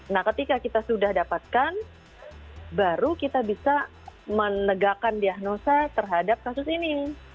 nah ketika kita sudah dapatkan baru kita bisa menegakkan diagnosa terhadap kasus ini